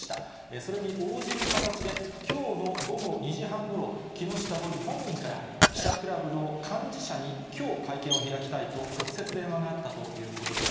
それに応じる形で、きょうの午後２時半ごろ、木下都議本人から、記者クラブの幹事社にきょう会見を開きたいと、直接電話があったということです。